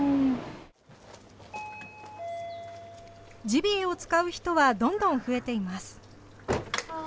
ジビエを使う人は、どんどん増えています。